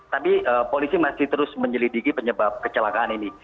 tapi polisi masih terus menyelidiki penyebab kecelakaan ini